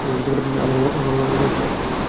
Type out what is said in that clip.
আমার বাবা বাঁচবে?